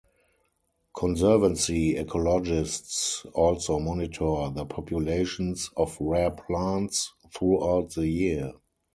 Conservancy ecologists also monitor the populations of rare plants throughout the year.